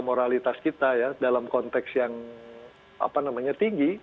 moralitas kita ya dalam konteks yang tinggi